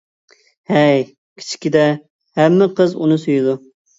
ھەي، كىچىكىدە ھەممە قىز ئۇنى سۆيىدۇ.